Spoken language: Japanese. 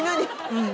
うん。